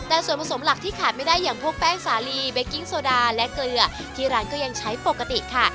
แต่ส่วนผสมหลักที่ขาดไม่ได้อย่างพวกแป้งสาลีเบกกิ้งโซดาและเกลือที่ร้านก็ยังใช้ปกติค่ะ